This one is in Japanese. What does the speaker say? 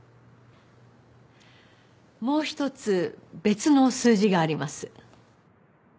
もう一つ別の数字があります。